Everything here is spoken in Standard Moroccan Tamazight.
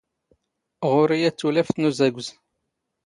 ⵖⵓⵔⵉ ⵢⵓⵜ ⵜⵡⵍⴰⴼⵜ ⵏ ⵓⵣⴰⴳⵣ.